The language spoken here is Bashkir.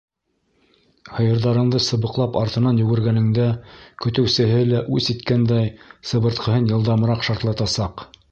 Һыйырҙарыңды сыбыҡлап артынан йүгергәнеңдә көтөүсеһе лә, үс иткәндәй, сыбыртҡыһын йылдамыраҡ шартлатасаҡ.